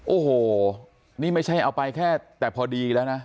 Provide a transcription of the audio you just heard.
โอ้โหนี่ไม่ใช่เอาไปแค่แต่พอดีแล้วนะ